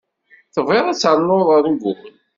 Tebɣiḍ ad ternuḍ angul?